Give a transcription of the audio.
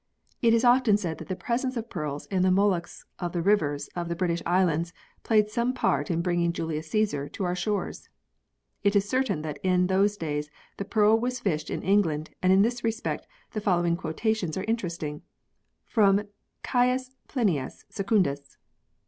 It is often said that the presence of pearls in the molluscs of the rivers of the British Islands, played some part in bringing Julius Caesar to our shores. It is certain that in those days the pearl was fished in England arid in this respect the following quotations are interesting : From Caius Plinius Secundus.